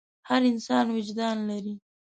هر انسان وجدان لري.